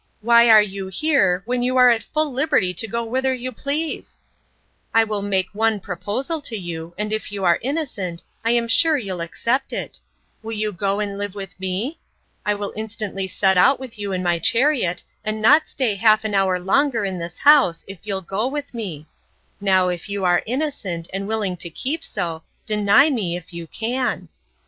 —Why are you here, when you are at full liberty to go whither you please?—I will make one proposal to you, and if you are innocent, I am sure you'll accept it. Will you go and live with me?—I will instantly set out with you in my chariot, and not stay half an hour longer in this house, if you'll go with me.—Now, if you are innocent, and willing to keep so, deny me, if you can.